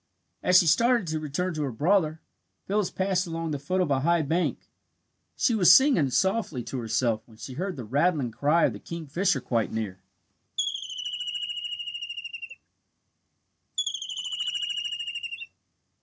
As she started to return to her brother, Phyllis passed along the foot of a high bank. She was singing softly to herself when she heard the rattling cry of the kingfisher quite near.